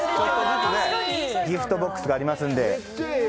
ギフトボックスがありますので。